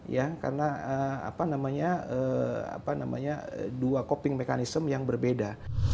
ya karena apa namanya dua coping mechanism yang berbeda